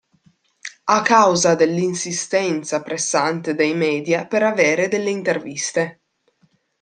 A causa dell'insistenza pressante dei media per avere delle interviste.